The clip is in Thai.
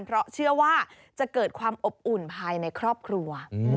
เพราะเชื่อว่าจะเกิดความอบอุ่นภายในครอบครัว